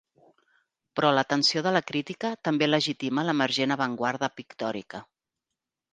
Però l'atenció de la crítica també legitima l'emergent avantguarda pictòrica.